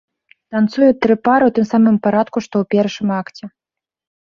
Танцуюць тры пары ў тым самым парадку, што ў першым акце.